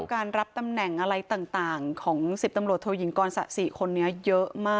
การรับตำแหน่งอะไรต่างของ๑๐ตำรวจโทยิงกรสะสิคนนี้เยอะมาก